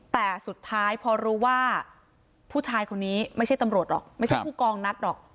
แต่สุดท้ายพอรู้ว่าผู้ชายคนนี้ไม่ใช่ตำรวจหรอกไม่ใช่ผู้กองนัดหรอก